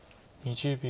２０秒。